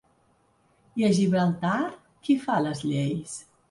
I a Gibraltar, qui fa les lleis?